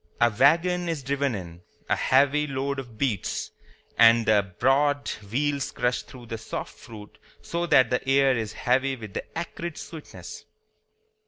A wagon is driven in, a heavy load of beets, and the broad wheels crush through the soft fruit so that the air is heavy with the acrid sweetness.